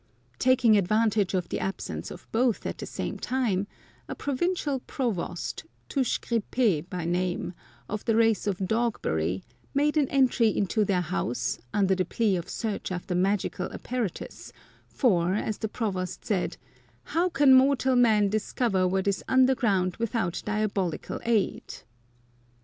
Taking advantage of the absence of both at the same time, a provincial provost, Touche Gripp6 by name, of the race of Dogberry y made an entry into their house, under the plea of search after magical apparatus, for, as the provost said, " How can mortal man discover what is underground with out diabolical aid?"